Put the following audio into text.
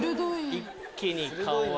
一気に顔が。